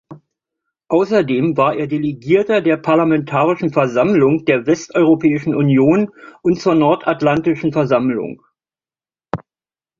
Außerdem war er Delegierter der Parlamentarischen Versammlung der Westeuropäischen Union und zur Nordatlantischen Versammlung.